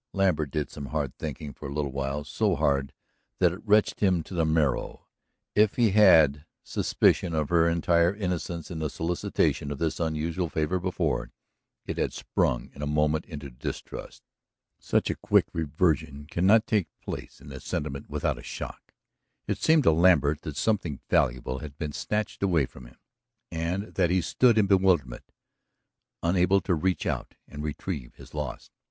Lambert did some hard thinking for a little while, so hard that it wrenched him to the marrow. If he had had suspicion of her entire innocence in the solicitation of this unusual favor before, it had sprung in a moment into distrust. Such a quick reversion cannot take place in the sentiment without a shock. It seemed to Lambert that something valuable had been snatched away from him, and that he stood in bewilderment, unable to reach out and retrieve his loss.